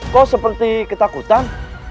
kok seperti ketakutan